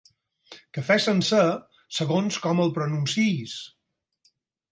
Cafè sencer, segons com el pronuncïis.